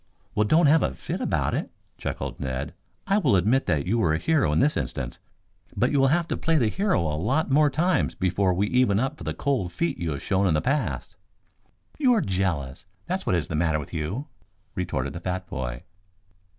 "Well, don't have a fit about it," chuckled Ned. "I will admit that you were a hero in this instance, but you will have to play the hero a lot more times before we even up for the cold feet you have shown in the past." "You're jealous that's what is the matter with you," retorted the fat boy.